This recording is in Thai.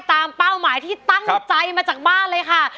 เป้าหมายที่ตั้งใจมาจากบ้านเลยค่ะ